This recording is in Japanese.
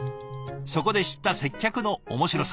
そこで知った接客の面白さ。